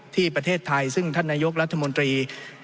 ที่ประเทศไทยซึ่งท่านนายกรัฐมนตรี